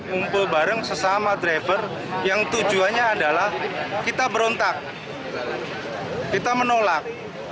ngumpul bareng sesama driver yang tujuannya adalah kita berontak kita menolak